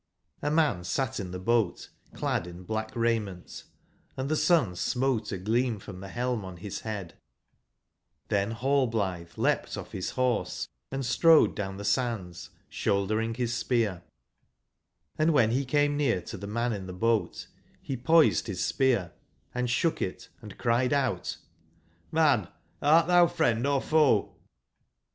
H man satin the boat clad in black raiment, & the sun smote a gleam from the helm on his headjj^ XThen nallblithe leapt off his horse, and strode down the sands shouldering his spear; and when he came near to the man in the boat he poised his spear and shook it and cried out: JVIan, art thou friend or foe?"